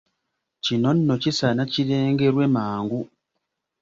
Kino nno kisaana kirengerwe mangu.